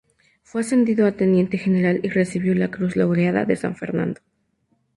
Fue ascendido a teniente general y recibió la Cruz Laureada de San Fernando.